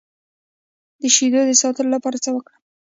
د شیدو د ساتلو لپاره څه وکړم؟